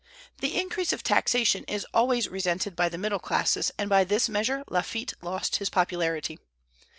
The increase of taxation is always resented by the middle classes, and by this measure Lafitte lost his popularity.